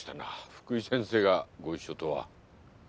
福井先生がご一緒とは。